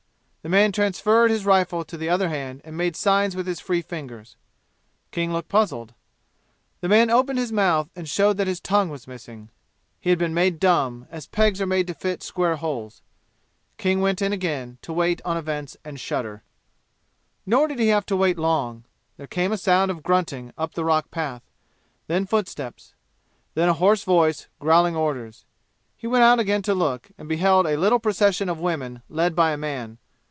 The man transferred his rifle to the other hand and made signs with his free fingers. King looked puzzled. The man opened his mouth and showed that his tongue was missing. He had been made dumb, as pegs are made to fit square holes. King went in again, to wait on events and shudder. Nor did he have long to wait. There came a sound of grunting, up the rock path. Then footsteps. Then a hoarse voice, growling orders. He went out again to look, and beheld a little procession of women, led by a man.